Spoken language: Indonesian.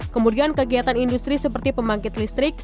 kemudian kegiatan industri seperti pembangkit listrik